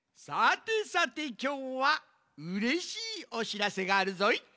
さてさてきょうはうれしいおしらせがあるぞい。